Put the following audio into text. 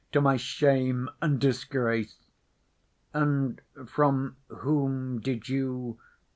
to my shame and disgrace!" "And from whom did you ...